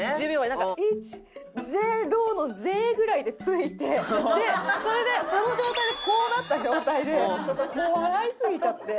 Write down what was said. なんか「１０」の「ゼ」ぐらいで着いてそれでその状態でこうなった状態でもう笑いすぎちゃって。